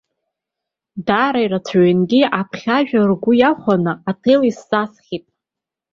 Даара ирацәаҩынгьы аԥхьажәа ргәы иахәаны аҭел исзасхьеит.